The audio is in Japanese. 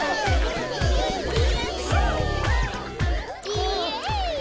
イエイ！